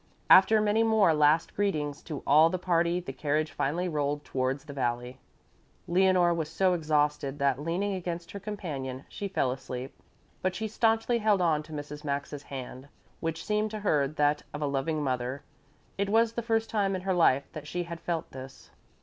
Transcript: After many more last greetings to all the party the carriage finally rolled towards the valley. Leonore was so exhausted that, leaning against her companion, she fell asleep, but she staunchly held on to Mrs. Maxa's hand, which seemed to her that of a loving mother. It was the first time in her life that she had felt this.